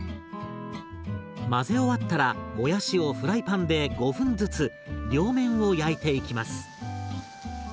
混ぜ終わったらもやしをフライパンで５分ずつ両面を焼いていきます。